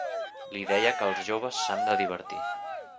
Li deia que els joves s'han de divertir;